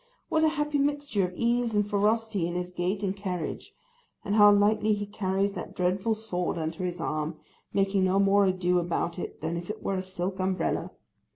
What a happy mixture of ease and ferocity in his gait and carriage, and how lightly he carries that dreadful sword under his arm, making no more ado about it than if it were a silk umbrella!